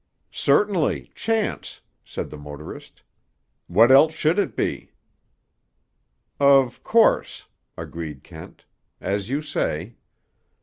"Certainly, chance," said the motorist. "What else should it be?" "Of course," agreed Kent. "As you say."